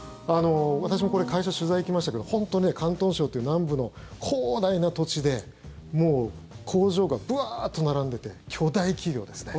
私も会社、取材に行きましたけど本当に広東省という南部の広大な土地でもう工場がブワーッと並んでて巨大企業ですね。